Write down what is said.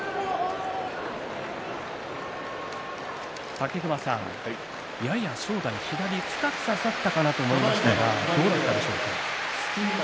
武隈さん、やや正代左に深く差さたかなと思いましたがどうだったでしょうか。